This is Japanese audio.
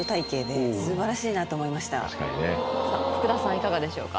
いかがでしょうか？